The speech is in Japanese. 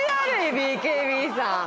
ＢＫＢさん。